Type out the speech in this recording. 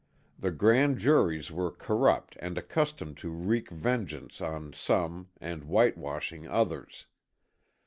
The Grand Juries were corrupt and accustomed to wreak vengeance on some and whitewashing others.